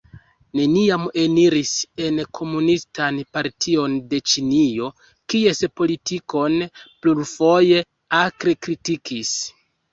Neniam eniris en Komunistan Partion de Ĉinio, kies politikon plurfoje akre kritikis.